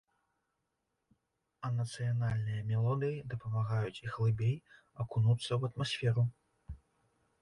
А нацыянальныя мелодыі дапамагаюць глыбей акунуцца ў атмасферу.